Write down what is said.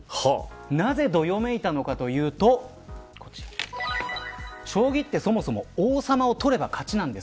なぜ、どよめいたのかというと将棋ってそもそも王様を取れば勝ちなんです。